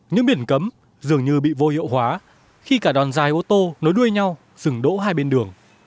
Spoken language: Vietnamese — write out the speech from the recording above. những biển cấm dường như bị vô hiệu hóa khi cả đòn dài ô tô nối đuôi nhau dừng đỗ hai bên đường